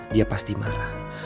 dia pasti marah